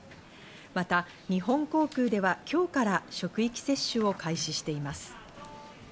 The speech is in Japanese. また日本航空では今日から職域接種を開始しています。